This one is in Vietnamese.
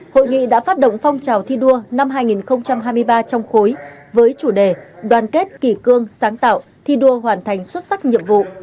hội nghị đã phát động phong trào thi đua năm hai nghìn hai mươi ba trong khối với chủ đề đoàn kết kỷ cương sáng tạo thi đua hoàn thành xuất sắc nhiệm vụ